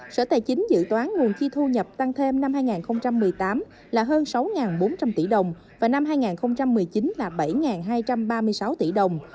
sở tài chính dự toán nguồn chi thu nhập tăng thêm năm hai nghìn một mươi tám là hơn sáu bốn trăm linh tỷ đồng và năm hai nghìn một mươi chín là bảy hai trăm ba mươi sáu tỷ đồng